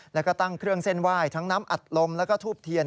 แล้วก็ตั้งเครื่องเส้นไหว้ทั้งน้ำอัดลมแล้วก็ทูบเทียน